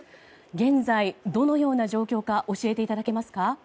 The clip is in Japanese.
現在どのような状況か教えていただけますか？